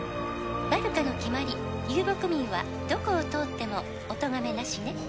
「バルカの決まり」「遊牧民はどこを通ってもおとがめなしね」